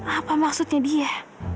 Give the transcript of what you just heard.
apa maksudnya dia